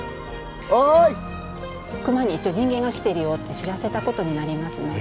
クマに一応人間が来てるよって知らせたことになりますので。